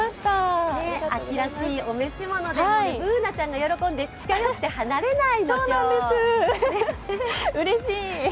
秋らしいお召し物でＢｏｏｎａちゃんが喜んでうれしい。